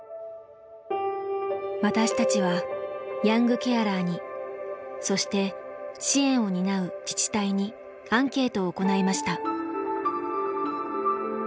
私たちはヤングケアラーにそして支援を担う自治体にアンケートを行いました。